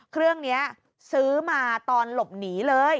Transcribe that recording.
เครื่องนี้ซื้อมาตอนหลบหนีเลย